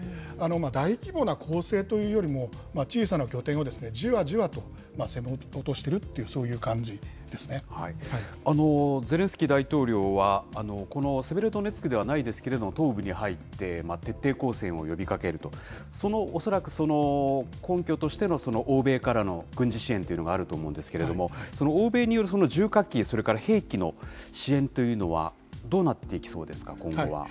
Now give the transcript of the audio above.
大規模な攻勢というよりも、小さな拠点をじわじわと攻め落としてゼレンスキー大統領は、このセベロドネツクではないですけれども、東部に入って、徹底抗戦を呼びかけると、おそらくその根拠としての欧米からの軍事支援というのがあると思うんですけれども、その欧米による重火器、それから兵器の支援というのは、どうなっていきそうですか、今後は。